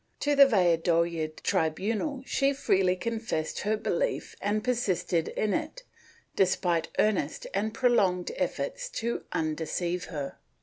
To the Valladolid tribunal she freely confessed her belief and per sisted in it, despite earnest and prolonged efforts to undeceive her.